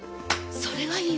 それがいいわ！